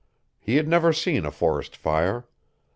He had never seen a forest fire.